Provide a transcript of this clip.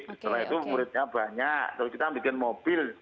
setelah itu muridnya banyak terus kita bikin mobil